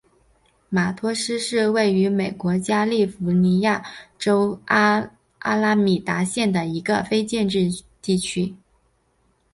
马托斯是位于美国加利福尼亚州阿拉米达县的一个非建制地区。